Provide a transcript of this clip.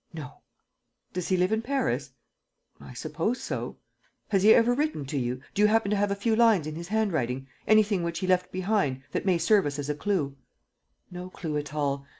"No." "Does he live in Paris?" "I suppose so." "Has he ever written to you? Do you happen to have a few lines in his handwriting, anything which he left behind, that may serve us as a clue?" "No clue at all.